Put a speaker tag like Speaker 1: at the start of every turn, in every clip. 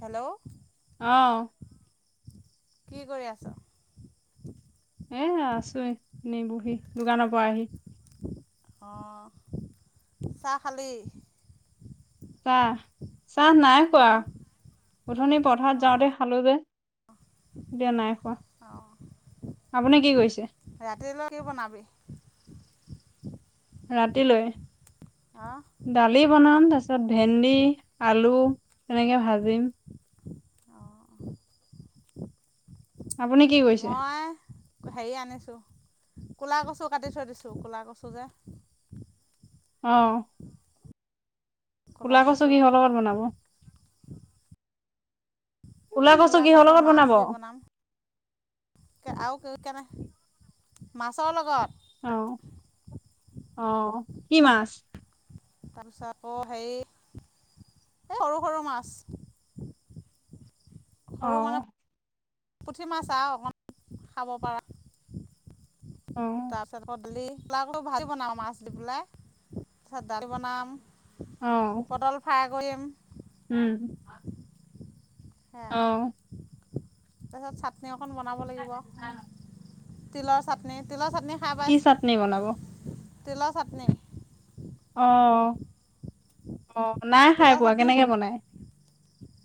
Speaker 1: Hello.
Speaker 2: আহ
Speaker 1: কি কৰি আছ।
Speaker 2: এ আছোই। নিবহি দোকানৰ পৰা আহি।
Speaker 1: অ', চাহ খালি।
Speaker 2: চাহ, চাহ নাই খোৱা
Speaker 1: অঁ
Speaker 2: গধনি পথাৰত যাওঁতে খালো যে। দিয়া নাই খোৱা,
Speaker 1: অঁ
Speaker 2: আপুনি কি কৰিছে।
Speaker 1: ৰাতিলৈ কি বনাবি।
Speaker 2: ৰাতিলৈ
Speaker 1: অঁ
Speaker 2: দালি বনাম তাৰ পিছত ভেন্দি আলু তেনেকে ভাজিম।
Speaker 1: অ'।
Speaker 2: আপুনি কি কৰিছে।
Speaker 1: মই হেৰি আনিছোঁ, ক'লা কচু কাটি থৈ দিছোঁ ক'লা কচু যে।
Speaker 2: অ'। ক'লা কচু কিহৰ গলত বনাব। কোলা কচু
Speaker 1: ক'লা
Speaker 2: কিহৰ
Speaker 1: গছৰ
Speaker 2: লগত বনাব
Speaker 1: মাছ যে
Speaker 2: অ
Speaker 1: বনাম। আৰু কেনে মাছৰ লগত।
Speaker 2: অ', অ', কি মাছ।
Speaker 1: তাৰপিছত আকৌ সেই এই সৰু, সৰু মাছ।
Speaker 2: অ
Speaker 1: সৰু মানে পুঠি মাছ আৰু অকণমান খাব পাৰা।
Speaker 2: অ'।
Speaker 1: তাৰপিছত গধূলিলা আকৌ ভাৰি বনাওঁ মাছ দি পেলাই তাৰপিছত দালি বনাম।
Speaker 2: অ'।
Speaker 1: পটল ফ্ৰাই কৰিম।
Speaker 2: উম।
Speaker 1: সেয়া
Speaker 2: অ
Speaker 1: তাৰপিছত চাটনি অকণ বনাব লাগিব। তিলৰ চাটনি, তিলৰ চাটনি খাই
Speaker 2: কি
Speaker 1: পাইছ
Speaker 2: চাটনি বনাব?
Speaker 1: তিলৰ চাটনি।
Speaker 2: অ', অ', নাই খাই
Speaker 1: তিলৰ
Speaker 2: পোৱা
Speaker 1: চাটনি
Speaker 2: কেনেকে বনায়?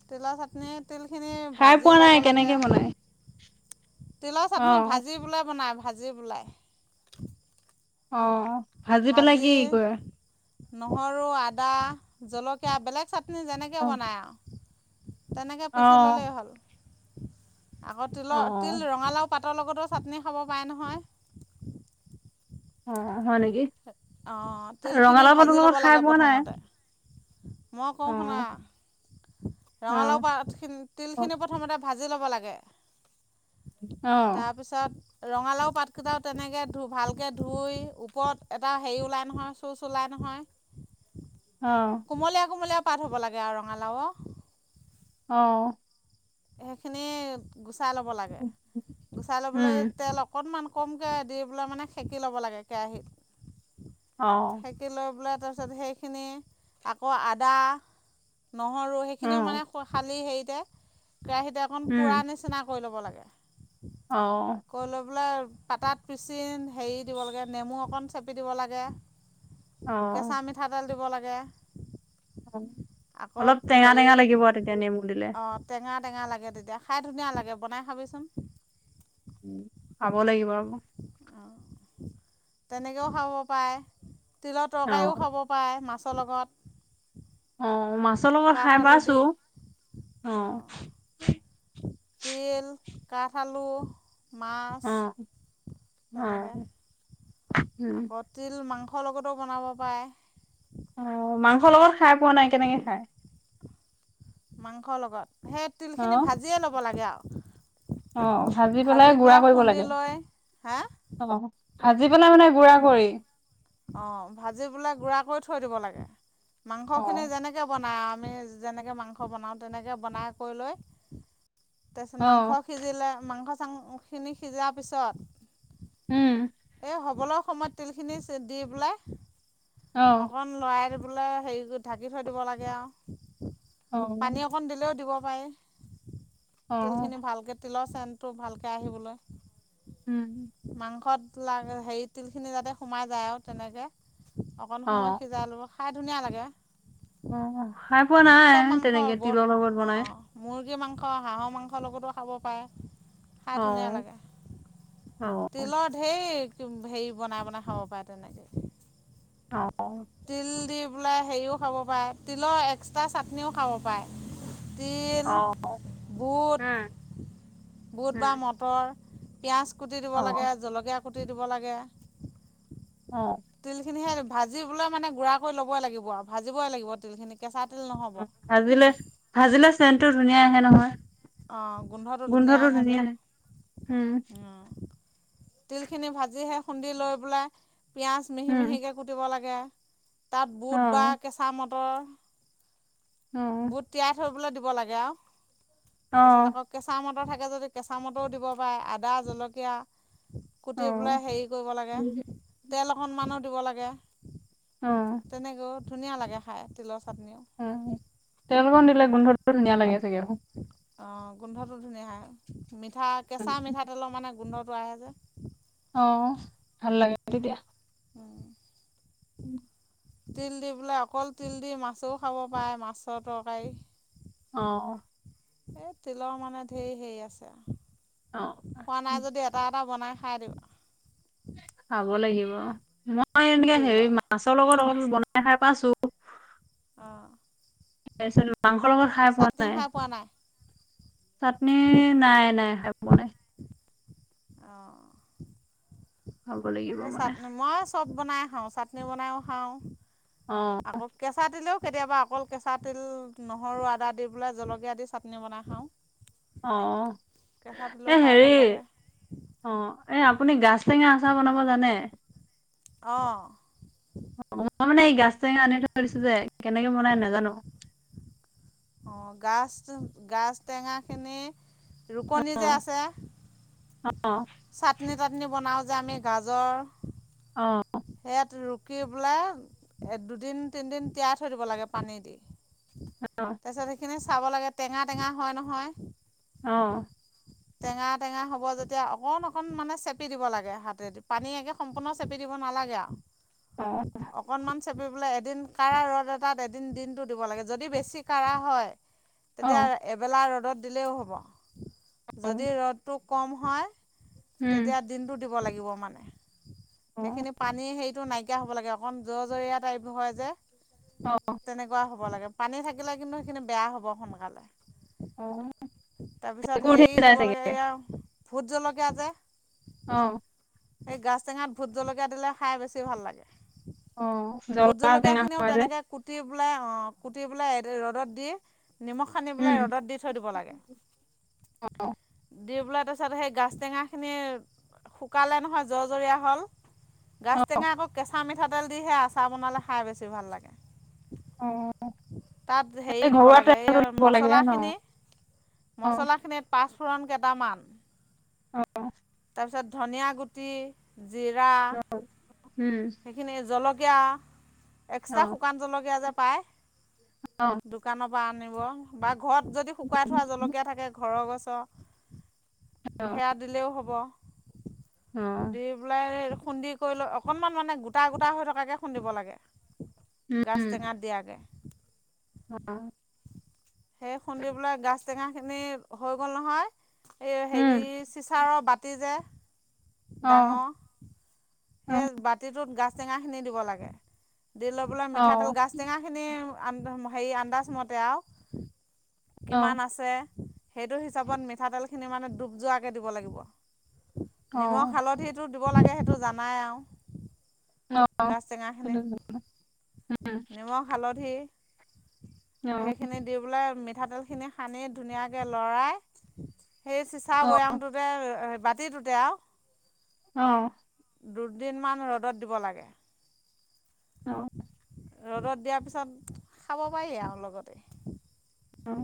Speaker 1: তিলৰ চাটনি তিলখিনি
Speaker 2: খাই
Speaker 1: ভাজি
Speaker 2: পোৱা নাই
Speaker 1: ল'ব লাগে।
Speaker 2: কেনেকে বনাই?
Speaker 1: তিলৰ চাটনি
Speaker 2: অ',
Speaker 1: ভাজি বোলে বনাই ভাজি বোলোই।
Speaker 2: অ', ভাজি পেলাই কি কৰে?
Speaker 1: নহৰু, আদা, জলকীয়া বেলেগ চাটনি যেনেকৈ
Speaker 2: অ',
Speaker 1: বনায় আৰু। তেনেকে পিচি
Speaker 2: অ',
Speaker 1: ল'লেই হ'ল আকৌ তিলৰ
Speaker 2: অ',
Speaker 1: তিল ৰঙালাও পাতৰ লগতো চাটনি খাব পাৰে নহয়।
Speaker 2: অ', হয় নেকি।
Speaker 1: অ', তিলখিনি
Speaker 2: ৰঙালাও পাতৰ
Speaker 1: ভাজি
Speaker 2: লগত
Speaker 1: ল'ব
Speaker 2: খাই
Speaker 1: লাগে
Speaker 2: পোৱা নাই?
Speaker 1: প্ৰথমতে। মই কওঁ শুনা
Speaker 2: অ',
Speaker 1: ৰঙালাও
Speaker 2: অ',
Speaker 1: পাতখিনি তিলখিনি প্ৰথমতে ভাজি ল'ব লাগে
Speaker 2: অ',
Speaker 1: তাৰপিছ পিছত ৰঙালাও পাতকেইটাও তেনেকৈ ধু ভালকৈ ধুই ওপৰত এটা হেৰি ওলাই নহয় শুজ ওলাই নহয়।
Speaker 2: অ'।
Speaker 1: কুমলীয়া কুমলীয়া পাত হ'ব লাগে আৰু ৰঙালাও।
Speaker 2: অ'।
Speaker 1: সেইখিনি গুচাই ল'ব লাগে, গুচাই ল'বলৈ
Speaker 2: উম,
Speaker 1: তেলক অকণমান কমকে দি পেলাই মানে সেকি ল'ব লাগে কেৰাহীত।
Speaker 2: অ'।
Speaker 1: ঢাকি লৈ পেলাই তাৰপিছত সেইখিনি আকৌ আদা নহৰু
Speaker 2: অ
Speaker 1: সেইখিনিও মানে খালি হেৰিতে কেৰাহীতে অকণ পূৰা
Speaker 2: উম,
Speaker 1: নিচিনা কৈ ল'ব লাগে।
Speaker 2: অ'।
Speaker 1: কৈ লৈ পেলাই পাতাত পিচি হেৰি দিব লাগে নেমু অকণ চেপি দিব লাগে। কেঁচা
Speaker 2: অ'।
Speaker 1: মিঠাতেল দিব লাগে।
Speaker 2: অ',
Speaker 1: আকৌ
Speaker 2: অলপ টেঙা
Speaker 1: হেৰি
Speaker 2: টেঙা লাগিব তেতিয়া নেমু দিলে।
Speaker 1: অঁ টেঙা টেঙা লাগে তেতিয়া খাই ধুনীয়া লাগে বনাই খাবিচোন।
Speaker 2: উম, খাব লাগিব আ
Speaker 1: অহ, তেনেকৈও খাব পাৰে তিলৰ
Speaker 2: অ',
Speaker 1: তৰকাৰীও খাব প পাৰে মাছৰ লগত।
Speaker 2: অ', মাছৰ লগত
Speaker 1: কাঠ
Speaker 2: খাই
Speaker 1: আলু
Speaker 2: পাইছো
Speaker 1: দি
Speaker 2: অ'।
Speaker 1: অঁ তিল কাঠ আলু। মাছ
Speaker 2: অ',
Speaker 1: তেনেকে
Speaker 2: অ', উম,
Speaker 1: আকত তিল মাংসৰ লগতো বনাব পাৰে।
Speaker 2: অ', মাংসৰ লগত খাই পোৱা নাই, কেনেকে খাই?
Speaker 1: মাংসৰ লগত সেই
Speaker 2: অ'।
Speaker 1: তিলখিনি ভাজিয়ে ল'ব লাগে আৰু।
Speaker 2: অ', ভাজি পেলাই গুৰা কৰিব লাগে।
Speaker 1: হা
Speaker 2: অ ভাজি পেলাই মানে গুৰা কৰি
Speaker 1: অঁ ভাজি পোলে গুড়া কৰি থৈ দিব লাগে
Speaker 2: অ
Speaker 1: মাংসখিনি যেনেকৈ তেনেকৈ বনায় আৰু আমি যেনেকৈ মাংস বনাওঁ তেনেকৈ বনাই কৰি লৈ তাৰপিছত
Speaker 2: অ
Speaker 1: মাংস সিজিলে মাংস চাংখিনি সিজাৰ পিছত
Speaker 2: উম
Speaker 1: হবলক সময়ত তিলখিনি দি পেলাই
Speaker 2: অ
Speaker 1: অকন লৰাই দিবলে হেৰি কৰি ঢাকি থৈ দিব লাগে আৰু
Speaker 2: অ
Speaker 1: পানী অকণ দিলেও দিব পাৰি
Speaker 2: অ
Speaker 1: তিলখিনি ভালকৈ তিলৰ চেনটো ভালকৈ আহিবলৈ
Speaker 2: উম
Speaker 1: মাংসত লাগ হেৰি তিলখিনি যাতে সোমাই যায় আৰু তেনেকৈ অকণ
Speaker 2: অ
Speaker 1: সময় সিজাই ল'ব খাই ধুনীয়া লাগে
Speaker 2: অ খাই পোৱা
Speaker 1: চব
Speaker 2: নাই
Speaker 1: মাংস
Speaker 2: তেনেকে
Speaker 1: বৰ
Speaker 2: তিলৰ লগত বনাই
Speaker 1: অঁ মুৰ্গী মাংস হাঁহৰ মাংসৰ লগতো খাব পাৰে
Speaker 2: অ
Speaker 1: খাই ধুনীয়া লাগে
Speaker 2: অ
Speaker 1: তিলৰ ঢেৰ হেৰি বনাই বনাই খাব পাৰে তেনেকে
Speaker 2: অ [inaudible]
Speaker 1: তিল দি পেলাই হেৰিও খাব পাৰে তিলৰ এক্সট্ৰা চাটনিও খাব পাৰে তিল
Speaker 2: অ
Speaker 1: বুট
Speaker 2: উম
Speaker 1: বুট
Speaker 2: উম
Speaker 1: বা মটৰ পটৰ পিঁয়াজ কুটি দিব
Speaker 2: অ
Speaker 1: লাগে জলকীয়া কুটি দিব লাগে
Speaker 2: অ [inaudible]
Speaker 1: তিল খিনি সেই ভাজিবলৈ মানে গুড়া কৰি লবই লাগিব আৰু ভাজিবই লাগিব তিল খিনি কেঁচা তিল নহ'ব
Speaker 2: ভাজিলে ভাজিলে চেনটো ধুনীয়া আহে নহয় গোন্ধটো ধুনীয়া আহে ম্
Speaker 1: যে তিলখিনি ভাজিহে খুন্দি লৈ পেলাই পিঁয়াজ মিহি
Speaker 2: উম
Speaker 1: মিহিকৈ কুটিব লাগে তাত
Speaker 2: অ
Speaker 1: বুট বা কেঁচা
Speaker 2: অ
Speaker 1: মটৰ বুট তিয়াই থবলৈ দিব লাগে আৰু
Speaker 2: অ
Speaker 1: তাৰ পিছত আকৌ কেঁচা মটৰ থাকে যদি কেঁচা মটৰও দিব পাৰে আদা জলকীয়া
Speaker 2: অ
Speaker 1: কুটি পেলাই হেৰি কৰিব লাগে তেল অকণমানো দিব লাগে
Speaker 2: অ
Speaker 1: তেনেকৈ ধুনীয়া লাগে খাই তিলৰ চাটনিও
Speaker 2: উম তেল অকণ দিলে গোন্ধটো ধুনীয়া লাগে চাগে
Speaker 1: অঁ গোন্ধটো ধুনীয়া হয় মিঠা কেঁচা মিঠাতেলৰ মানে গোন্ধটো আহে যে
Speaker 2: অ ভাল লাগে তেতিয়া
Speaker 1: অ [inaudible]
Speaker 2: উওম [inaudible]
Speaker 1: তিল দি পোলাই অকল তিল দি মাছও খাব পাৰে মাছৰ তৰকাৰী
Speaker 2: অ
Speaker 1: এই তিলৰ মানে ধেৰ হেৰি আছে।
Speaker 2: অ
Speaker 1: খোৱা নাই যদি এটা এটা বনাই খাই দিওঁ।
Speaker 2: খাব লাগিব মই এনে হে
Speaker 1: তিলৰ
Speaker 2: মাছৰ লগত অল বন খাই পাইছো
Speaker 1: অঁ
Speaker 2: মাংসৰ লগত খাই পোৱা
Speaker 1: চাটনি
Speaker 2: নাই।
Speaker 1: খাই পোৱা নাই
Speaker 2: চাটনি নাই নাই খ বনাই।
Speaker 1: অ।
Speaker 2: খাব লাগিব
Speaker 1: স
Speaker 2: মানে
Speaker 1: চাটনি মই চব বনাই খাওঁ চাটনি বনাইও খাওঁ।
Speaker 2: অ।
Speaker 1: আকৌ কেঁচা তিলেও কেতিয়াবা অকল কেঁচা তিল নহৰু আদা দি পেলাই জলকীয়া দি চাটনি বনাই খাওঁ।
Speaker 2: অ
Speaker 1: কেঁচা তিলো
Speaker 2: এ
Speaker 1: খাই
Speaker 2: হেৰি
Speaker 1: ভাল লাগে
Speaker 2: অ' এই আপুনি গাজ টেঙা আচাৰ বনাব জানে?
Speaker 1: অঁ।
Speaker 2: মই মানে এই গাজ টেঙা আনি থৈ দিছো যে, কেনেকে বনাই নাজানো।
Speaker 1: অঁ গাজ গাজ টেঙাখিনি ৰুকনি যে আছে।
Speaker 2: অঁ।
Speaker 1: চাটনি তাটনি বনাওঁ যে আমি গাজৰ,
Speaker 2: অ'।
Speaker 1: সেয়াত ৰুকি পেলাই দুদিন-তিনদিন তিয়াই থৈ দিব লাগে পানী দি। [inaudible]
Speaker 2: অ'।
Speaker 1: তাৰপিছত সেইখিনি চাব লাগে টেঙা টেঙা হয় নহয়।
Speaker 2: অ'।
Speaker 1: টেঙা টেঙা হ'ব যেতিয়া অকন অকন মানে চেপি দিব লাগে। হাতে পানী একে সম্পূৰ্ণ চেপি দিব নেলাগে আ।
Speaker 2: অ
Speaker 1: অকণমান চেপি পেলে এদিন কাঢ়া ৰ'দ এটাত এদিন দিনটো দিব লাগে, যদি বেছি কাৰা হয়।
Speaker 2: অ
Speaker 1: তেতিয়া এবেলা ৰ'দত দিলেও হ'ব।
Speaker 2: অ
Speaker 1: যদি ৰ'দটো কম হয়,
Speaker 2: উম
Speaker 1: তেতিয়া দিনটো দিব লাগিব মানে।
Speaker 2: অ
Speaker 1: সেইখিনি পানী হেৰিটো নাইকিয়া হ'ব লাগে, অকণ জৰ জৰীয়া টাইপ হয় যে।
Speaker 2: অ'।
Speaker 1: তেনেকুৱা হ'ব লাগে, পানী থাকিলে কিন্তু সেইখিনি বেয়া হ'ব সোনকালে।
Speaker 2: অ একো
Speaker 1: তাৰপিছত
Speaker 2: উঠি
Speaker 1: হেৰি
Speaker 2: যায়
Speaker 1: দিব
Speaker 2: চাগে
Speaker 1: লাগে এইয়া ভোট জলকীয়া যে।
Speaker 2: অ'।
Speaker 1: সেই গাজ টেঙাত ভোট জলকীয়া দিলে খাই বেছি ভাল লাগে।
Speaker 2: অ
Speaker 1: ভোট
Speaker 2: জ্বলা টেঙা
Speaker 1: জলকীয়াখিনিও
Speaker 2: হয় যে
Speaker 1: তেনেকে কুটি পেলাই অ' কুটি পেলাই ৰ'দত দি নিমখ, সানি পেলাই ৰ'দত দি থৈ দিব লাগে। দি পেলাই তাৰপিছত সেই গাাজ টেঙা খিনি শুকালে নহয়, জৰ্জৰীয়া হ'ল
Speaker 2: অ
Speaker 1: গাছ টেঙা আকৌ কেঁচা মিঠাতেল দি সেই আচাৰ বনালে খাই বেছি ভাল লাগে।
Speaker 2: অ
Speaker 1: তাত হেৰি
Speaker 2: এই
Speaker 1: দিব
Speaker 2: ঘৰুৱা
Speaker 1: লাগে
Speaker 2: তেলটো
Speaker 1: এইয়া
Speaker 2: দিব লাগে ন
Speaker 1: মছলাখিনি।
Speaker 2: অ
Speaker 1: মছলাখিনিত পাঁচফোৰণ কেটামান,
Speaker 2: অ
Speaker 1: তাৰপিছত ধনিয়া গুটি, জিৰা,
Speaker 2: উম
Speaker 1: সেইখিনি জলকীয়া।
Speaker 2: অ
Speaker 1: এক্সট্ৰা শুকান জলকীয়া যে পায়
Speaker 2: অ
Speaker 1: দোকানৰ পৰা আনিব। বা ঘৰত যদি শুকুৱাই থোৱা জলকীয়া থাকে, ঘৰৰ গছৰ। সেয়া দিলেও হ'ব।
Speaker 2: উম।
Speaker 1: দি পেলাই খুন্দি কৰি লৈ অকনমান মানে গোটা গোটা হৈ থকাকে খুন্দিব লাগে। গাছ
Speaker 2: উম
Speaker 1: টেঙাত দিয়াকে।
Speaker 2: অ'।
Speaker 1: সেই খুন্দি পেলাই গাছ টেঙাখিনি হৈ গ'ল নহয় এই
Speaker 2: উম
Speaker 1: হেৰি চিচাৰৰ বাট তি যে
Speaker 2: অ
Speaker 1: ডাঙৰ।
Speaker 2: অ
Speaker 1: সেই বাতিটোত গাছ টেঙা খিনি দিব লাগে, দি লৈ পেলাই মিঠাতেল গাছ টেঙাখিনি আ হেৰি আন্দাজমতে আও।
Speaker 2: অ অ
Speaker 1: কিমান আছে, সেইটো হিচাপত মিঠাতেলখিনি মানে ডুব যোৱাকে দিব লাগিব।
Speaker 2: অ অ
Speaker 1: নিমখ, হালধিটো, দিব লাগে সেইটো জানাই আৰু।
Speaker 2: অ
Speaker 1: গাছ, টেঙাখিনিত, নিমখ, হালধি সেইখিনি দি পেললে মিঠাতেলখিনি, সানি ধুনীয়াকৈ লৰাই সেই চিচা বৈয়ামটো। ত বাতি তোতে আৰু
Speaker 2: অ
Speaker 1: দুদিনমান ৰ'দত, দিব লাগে।
Speaker 2: অ
Speaker 1: ৰ'দত, দিয়াৰ পিছত খাব পাৰি আৰু লগতে
Speaker 2: অঁ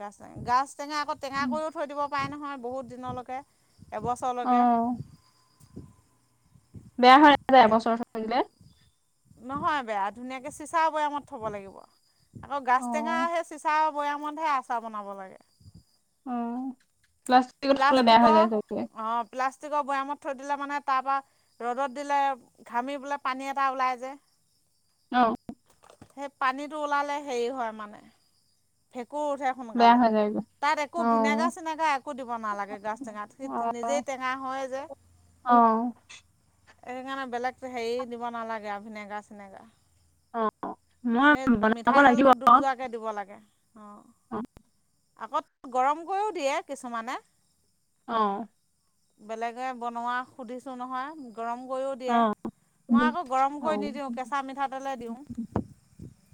Speaker 1: গাছ, টে গাছ টেঙা, আকৌ টেঙা কৰিও থৈ দিব পাৰে নহয় বহুত দিনলৈকে
Speaker 2: অ
Speaker 1: এবছৰলৈকে।
Speaker 2: বেয়া হৈ নাযায় এবছৰ থলে থয় দিলে
Speaker 1: নহয় বেয়া ধুনীয়াকে চিচা বৈয়ামত থব লাগিব আকৌ
Speaker 2: অ
Speaker 1: গাছ টেঙা, সেই চিচা বৈয়ামতহে আচাৰ বনাব লাগে।
Speaker 2: অ প্লাছ
Speaker 1: প্লাষ্টিকৰ অ প্লাষ্টিকৰ, বৈয়ামত থৈ দিলে মানে তাৰ পৰা ৰ'দত, দিলে ঘামি পোলে পানী এটা ওলাই যায়্
Speaker 2: অ
Speaker 1: সেই পানীটো ওলালে হেৰি হয় মানে ভেঁকুৰ উঠে।
Speaker 2: বেয়া
Speaker 1: সোনকালে
Speaker 2: হয় যায়।
Speaker 1: তাত একো ভিনেগাৰ- চিনেগাৰ একো দিব নালাগে গাছ টেঙাত সি
Speaker 2: অ
Speaker 1: নিজেই টেঙা হয় যে। [unintelligible]
Speaker 2: অ
Speaker 1: সেইকাৰণে বেলেগ হেৰি দিব নালাগে আৰু ভিনেগাৰ- চিনেগাৰ
Speaker 2: অ মই বনাব লাগিব আকৌ
Speaker 1: তাকে দিব লাগে অঁ আকৌ গৰম কৰিও দিয়ে কিছুমানে।
Speaker 2: অ
Speaker 1: বেলেগে বনোৱা সুধিছোঁ নহয় গৰম কৰিও দিয়ে মই আকৌ গৰম
Speaker 2: অ
Speaker 1: কৰি নিদিওঁ কেঁচা মিঠাতেলে, দিওঁ।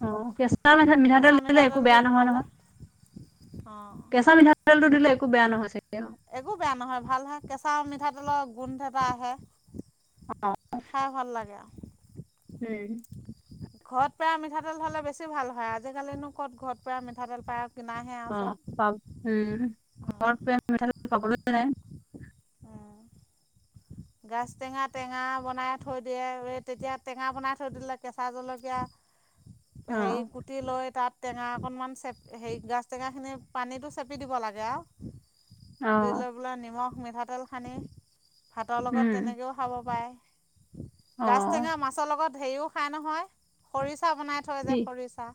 Speaker 2: অ কেঁচা মঠা মিঠাতেল,
Speaker 1: কেঁচা
Speaker 2: দি দিলে একো
Speaker 1: দি
Speaker 2: বেয়া নহয়
Speaker 1: বনালে
Speaker 2: নহয়।
Speaker 1: অঁ
Speaker 2: কেঁচা মিঠাতেলটো, দিলে এক বেয়া নহয় চাগে।
Speaker 1: একো বেয়া নহয় ভাল হয় কেঁচা মিঠাতেলৰ, গোন্ধ এটা আহে।
Speaker 2: অ
Speaker 1: খাই ভাল লাগে আৰু।
Speaker 2: উম'
Speaker 1: ঘৰত পেৰা মিঠাতেল, হলে বেছি ভাল হয় আজিকালিনো ক'ত ঘৰত পেৰা মিঠাতেল পাই।
Speaker 2: অ পাব উম ঘৰত পেৰা মিঠাতেল, পাবলৈ নাই।
Speaker 1: উম গাজ টেঙা টেঙা, বনাই থৈ দিয়ে এই তেতিয়া টেঙা বনাই থৈ দিলে কেঁচা জলকীয়া,
Speaker 2: অ
Speaker 1: হেৰি কুটি কুটি লৈ তাত টেঙা অকণমান চেপ হেৰি গাজ, টেঙাখিনি পানীটো চেপি দিব লাগে আৰু।
Speaker 2: অ
Speaker 1: দি লৈ পেলাই নিমখ, মিঠাতেল, খানি ভাতৰ লগত
Speaker 2: উম
Speaker 1: তেনেকৈও খাব পাৰে
Speaker 2: অ
Speaker 1: গাছ টেঙা মাছৰ লগত হেৰিও খাই নহয়, খৰিচা বনাই থৈ যে
Speaker 2: কি
Speaker 1: খৰিচা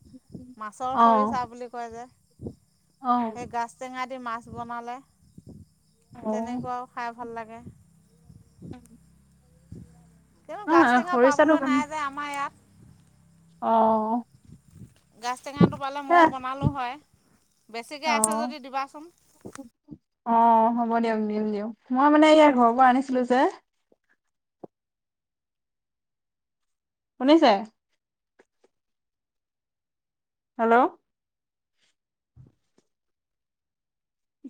Speaker 1: মাছৰ
Speaker 2: অ
Speaker 1: খৰিচা বুলি কয় যে।
Speaker 2: অ'।
Speaker 1: এই গাজ টেঙা দি মাছ বনালে
Speaker 2: অ
Speaker 1: তেনেকুৱাও খাই ভাল লাগে।
Speaker 2: [inaudible]
Speaker 1: কিন্তু
Speaker 2: অ
Speaker 1: গাজ টেঙা
Speaker 2: খৰিচাটো
Speaker 1: পাবলৈ নাই যে আমাৰ ইয়াত।
Speaker 2: অ'।
Speaker 1: গাজ টেঙাটো পালে
Speaker 2: এ
Speaker 1: ময়ো বনালোঁ হয়, বেছিকৈ
Speaker 2: অ
Speaker 1: আছে যদি দিবাচোন।
Speaker 2: অ', হ'ব দিয়ক দিয়ক নিম দিম মই মানে ইয়া ঘৰৰ পৰা আনিছিলো যে। শুনিছে? হেল্ল'?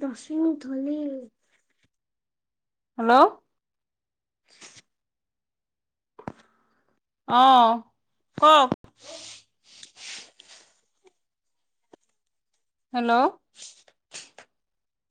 Speaker 2: দশ মিনিট হ'লেই। হেল্ল'? অ', কওক? হেল্ল'?